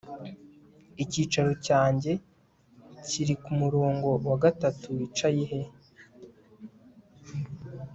icyicaro cyanjye kiri kumurongo wa gatatu wicaye he